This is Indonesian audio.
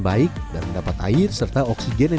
baik dan mendapat air serta oksigen yang